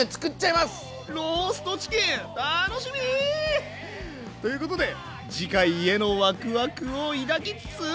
楽しみ！ということで次回へのワクワクを抱きつつ。